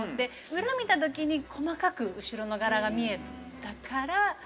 裏見た時に細かく後ろの柄が見えたからＢ。